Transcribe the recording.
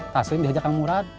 taslim dihajar kang murad